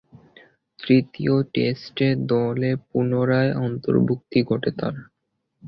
তৃতীয় টেস্টে দলে পুনরায় অন্তর্ভূক্তি ঘটে তার।